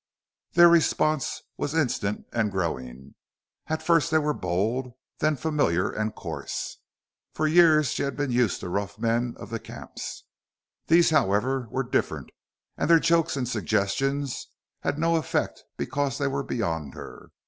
Their response was instant and growing. At first they were bold, then familiar and coarse. For years she had been used to rough men of the camps. These however, were different, and their jokes and suggestions had no effect because they were beyond her.